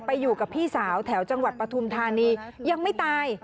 อยู่กับพี่สาวแถวจังหวัดปฐุมธานียังไม่ตาย